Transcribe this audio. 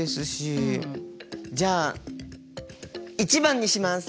じゃあ１番にします！